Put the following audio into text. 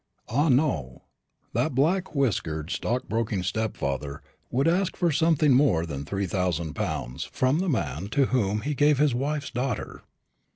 Ah, no; that black whiskered stockbroking stepfather would ask for something more than three thousand pounds from the man to whom he gave his wife's daughter.